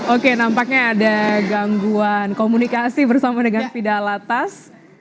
oke nampaknya ada gangguan komunikasi bersama dengan fidalatas